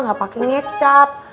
gak pake ngecap